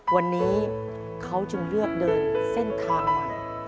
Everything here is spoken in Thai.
วันนี้เขาจึงเลือกเดินเส้นทางใหม่